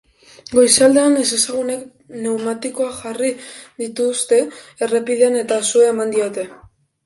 Goizaldean, ezezagunek pneumatikoak jarri dituzte errepidean, eta su eman diete.